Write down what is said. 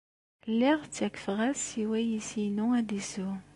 Lliɣ ttakfeɣ-as i wayis-inu ad isew.